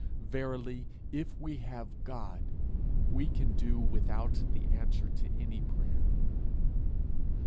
Verily, if we have God, we can do without the answer to any prayer.